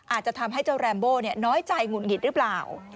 อาจจะทำให้เจ้าแรมโบ้น้อยใจหงุดหงิดหรือเปล่า